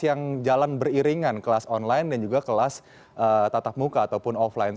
yang jalan beriringan kelas online dan juga kelas tatap muka ataupun offline